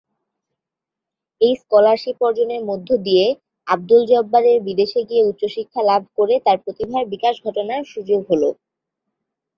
এই স্কলারশিপ অর্জনের মধ্য দিয়ে আবদুল জব্বারের বিদেশে গিয়ে উচ্চশিক্ষা লাভ করে তার প্রতিভার বিকাশ ঘটানোর সুযোগ এলো।